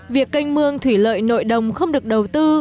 việc canh mương thủy lợi nội đồng không được đầu tư